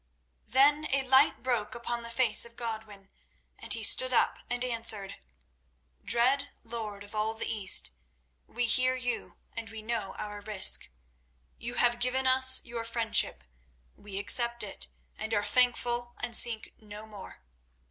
Then a light broke upon the face of Godwin, and he stood up and answered: "Dread lord of all the East, we hear you and we know our risk. You have given us your friendship; we accept it, and are thankful, and seek no more.